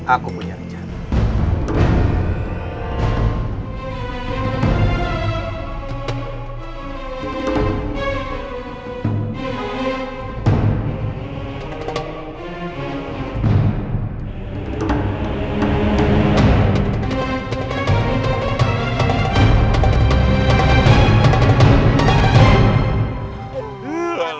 aku punya kejahatan